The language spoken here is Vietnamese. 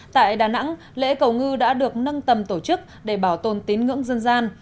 tại đà nẵng lễ cầu ngư đã được nâng tầm tổ chức để bảo tồn tín ngưỡng dân gian